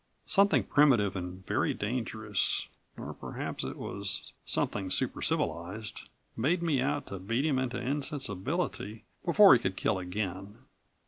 Something primitive and very dangerous or perhaps it was something super civilized made me out to beat him into insensibility before he could kill again.